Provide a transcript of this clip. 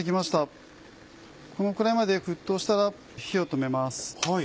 このくらいまで沸騰したら火を止めます。